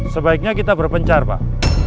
sebaiknya kita berpencar pak